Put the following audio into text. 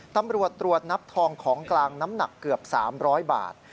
ตำรวจตรวจนับทองของกลางน้ำหนักเกือบ๓๐๐บาท